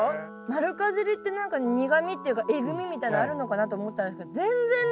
丸かじりって何か苦みっていうかえぐみみたいのあるのかなと思ったんですけど全然ない。